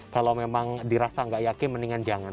kalau memang dirasa gak yakin mendingan jangan